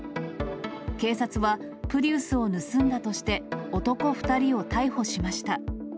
警察は、プリウスを盗んだとして、男２人を逮捕しました。